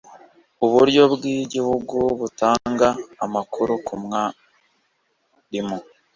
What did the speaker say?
uburyo bw'igihugu butanga amakuru ku mwarimu